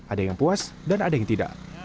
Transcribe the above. ada yang puas dan ada yang tidak